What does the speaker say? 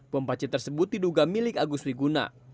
pembaci tersebut diduga milik agus wiguna